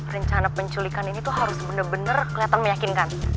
rencana penculikan ini tuh harus bener bener kelihatan meyakinkan